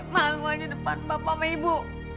malu aja depan bapak sama ibu